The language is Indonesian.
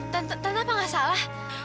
tante tante apa gak salah